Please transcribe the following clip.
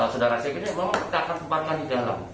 sedangkan asetnya memang tidak akan tempatkan di dalam